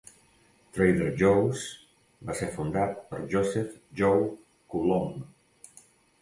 Trader Joe's va ser fundat per Joseph "Joe" Coulombe.